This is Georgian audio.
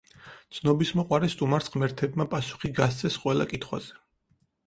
ცნობისმოყვარე სტუმარს ღმერთებმა პასუხი გასცეს ყველა კითხვაზე.